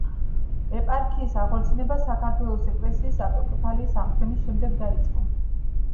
ეპარქიის აღორძინება საქართველოს ეკლესიის ავტოკეფალიის აღდგენის შემდეგ დაიწყო.